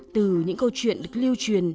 từ những câu chuyện được lưu truyền